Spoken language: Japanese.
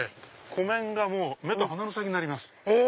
湖面が目と鼻の先になります。